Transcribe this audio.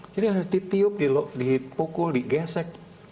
jadi ada yang ditiup dipukul digesek